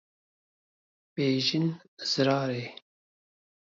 Bêjin zirarê